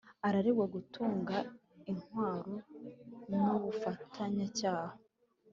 araregwa gutunga intwaro n’ubufatanyacyaha